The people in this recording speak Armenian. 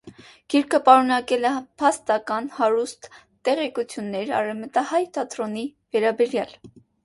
Գիրքը պարունակել է փաստական հարուստ տեղեկություններ արևմտահայ թատրոնի պատմության վերաբերյալ։